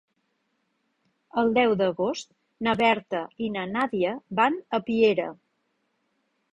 El deu d'agost na Berta i na Nàdia van a Piera.